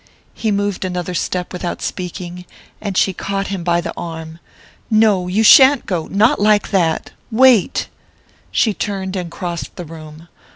He moved another step without speaking, and she caught him by the arm. "No! you sha'n't go not like that! Wait!" She turned and crossed the room.